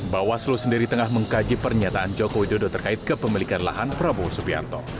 bawaslu sendiri tengah mengkaji pernyataan joko widodo terkait kepemilikan lahan prabowo subianto